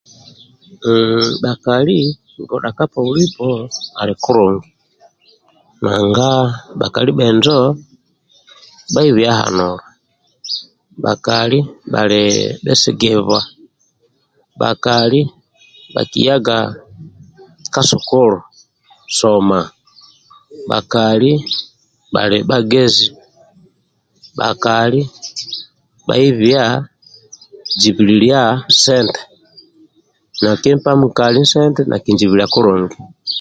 Aaaa bhakali godha ka polipo ali kulungi nanga bhakali bhenjo bhaibi hanula bhakali bhali bhesigibwa bhakali bhakiyaga ka sukulu soma bhakali bhali bhagezi bhakali bhaibia jibililia sente nakinjibililia kulungi